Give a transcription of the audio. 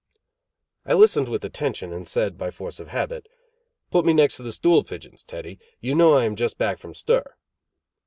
I listened with attention, and said, by force of habit: "Put me next to the stool pigeons, Teddy. You know I am just back from stir."